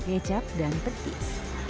kecap dan petis